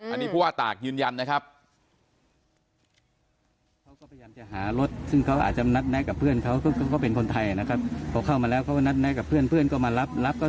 อันนี้ผู้ว่าตากยืนยันนะครับ